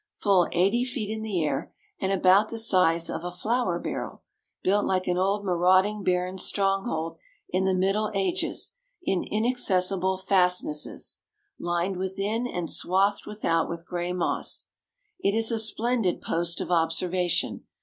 Full eighty feet in the air, and about the size of a flour barrel; built like an old marauding baron's stronghold in the middle ages, in inaccessible fastnesses; lined within and swathed without with gray moss, it is a splendid post of observation.